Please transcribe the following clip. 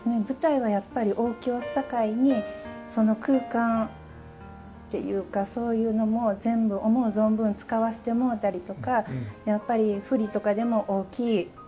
舞台はやっぱり大きいおすさかいにその空間っていうかそういうのも全部思う存分使わしてもうたりとかやっぱり振りとかでも大きい。